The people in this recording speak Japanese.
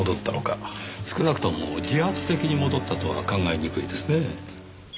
少なくとも自発的に戻ったとは考えにくいですねぇ。